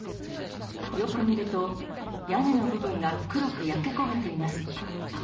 よく見ると、屋根の部分が黒く焼け焦げています。